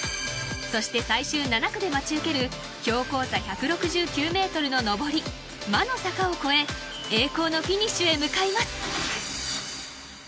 最終７区で待ち受ける標高差１６９メートルの上り魔の坂を越え栄光のフィニッシュへ向かいます。